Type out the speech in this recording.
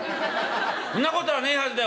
んなことはねえはずだよ。